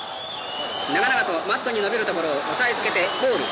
長々とマットにのびるところを押さえつけてフォール。